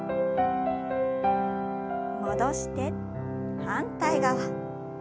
戻して反対側。